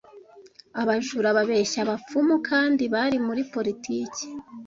Abajura Babeshya Abapfumu kandi bari muri politiki